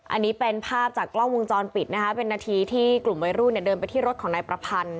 อันนี้เป็นภาพจากกล้องวงจรปิดนะคะเป็นนาทีที่กลุ่มวัยรุ่นเนี่ยเดินไปที่รถของนายประพันธ์